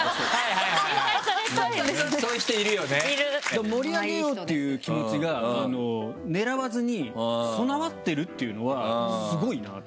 でも盛り上げようっていう気持ちが狙わずに備わってるっていうのはスゴいなと。